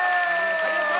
ありがとう。